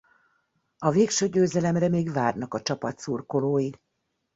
A végső győzelemre még várnak a csapat szurkolói.